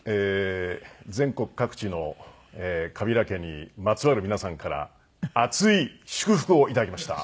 全国各地の川平家にまつわる皆さんから熱い祝福を頂きました。